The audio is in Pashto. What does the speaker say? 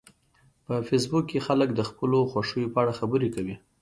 په فېسبوک کې خلک د خپلو خوښیو په اړه خبرې کوي